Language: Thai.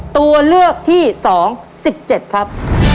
ตัวเลือกที่๒๑๗ครับ